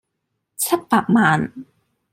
七百萬